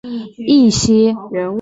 一些反应堆运行仅用于研究。